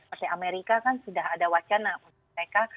seperti amerika kan sudah ada wacana untuk mereka